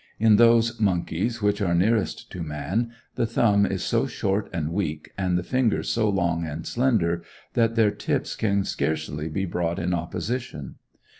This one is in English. In those monkeys which are nearest to man, the thumb is so short and weak, and the fingers so long and slender, that their tips can scarcely be brought in opposition.